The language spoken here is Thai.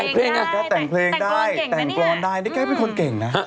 ก็แต่งเพลงได้แต่งกรรต์ได้นี่แก่เป็นคนเก่งนะ